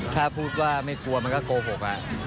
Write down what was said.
ถ้าพูดว่าไม่กลัวมันก็โกหก